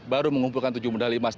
baru mengumpulkan tujuh medali emas